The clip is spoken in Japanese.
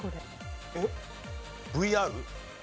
えっＶＲ。